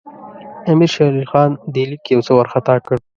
امیر شېر علي خان دې لیک یو څه وارخطا کړ.